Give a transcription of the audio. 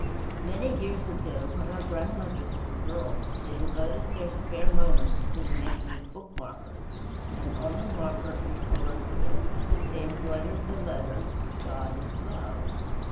II Many years ago, when our grandmothers were girls, they devoted their spare moments to the making of bookmarkers; and on the marker, in colored silk, they embroidered the letters GOD IS LOVE.